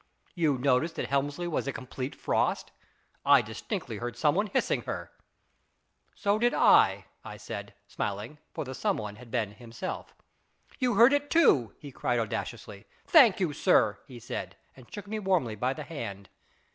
You noticed that Helmsley was a complete frost ? I distinctly heard some one hissing her." " So did I," I said, smiling, for the some one had been himself. " You heard it too," he cried audaciously. " Thank you, sir," he said, and shook me warmly by the hand.